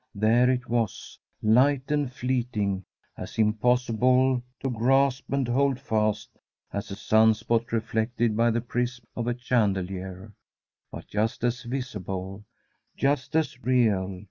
There it was, light and fleeting, as impossible to grasp and hold fast as a sun spot reflected by the prism of a chandelier, but just as visible, just as real.